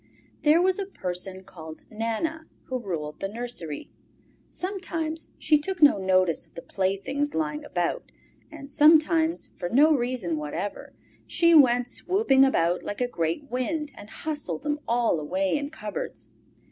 There was a person called Nana who ruled the nursery. Sometimes she took no notice of the playthings lying about, and sometimes, for no reason whatever, she went swooping about like a great wind and hustled them away in cupboards.